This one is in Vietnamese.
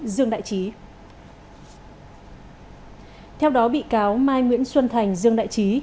dương đại chí theo đó bị cáo mai nguyễn xuân thành dương đại chí